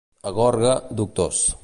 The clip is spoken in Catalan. A Gorga, doctors.